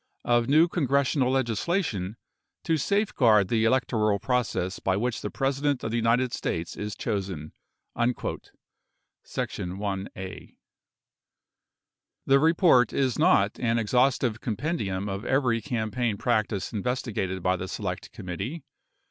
of new congressional legislation to safeguard the electoral process by which the President of the United States is chosen." [Sec. 1(a)] The report is not an exhaustive compendium of every campaign practice investigated by the Select Committee.